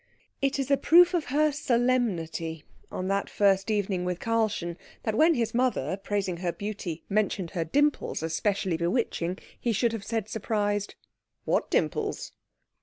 It is a proof of her solemnity on that first evening with Karlchen that when his mother, praising her beauty, mentioned her dimples as specially bewitching, he should have said, surprised, "What dimples?"